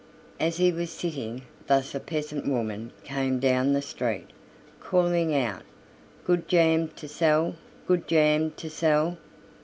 As he was sitting thus a peasant woman came down the street, calling out: "Good jam to sell, good jam to sell."